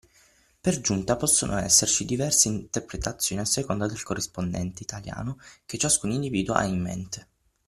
Per giunta possono esserci diverse interpretazioni a seconda del corrispondente italiano che ciascun individuo ha in mente.